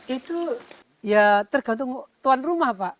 itu ya tergantung tuan rumah pak